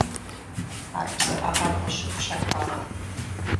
Ар псыӏагъэр гъущыху щагъагъ.